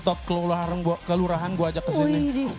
top kelurahan gue ajak kesini